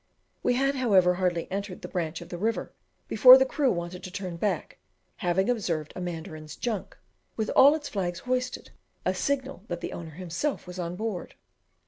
We had, however, hardly entered the branch of the river, before the crew wanted to turn back, having observed a mandarin's junk, with all its flags hoisted, a signal that the owner himself was on board.